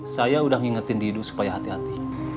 saya udah ngingetin didu supaya hati hati